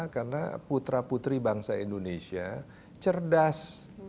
karena putra putri bangsa indonesia cerdas